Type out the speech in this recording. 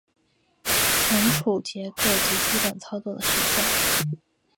存储结构及基本操作的实现